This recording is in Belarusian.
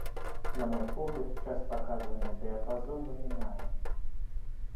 На мой погляд, час паказвання дыяпазону мінае.